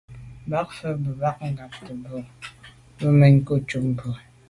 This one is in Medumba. Bə̌k fə̀ mbə́ má ngǎtə̀' bû bá bə̌ má kòb ncúp bú mbə̄.